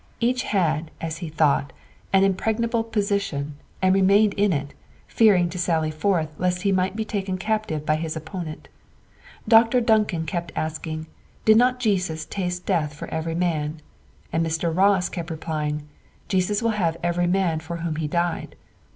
Each had, as he thought, an impregnable position, and remained in it, fearing to sally forth lest he might be taken captive by his opponent. Dr. Duncan kept asking, 'Did not Jesus taste death for every man?' and Mr. Ross kept replying, 'Jesus will have every man for whom he died.'